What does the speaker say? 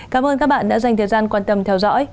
cảm ơn các bạn đã dành thời gian quan tâm theo dõi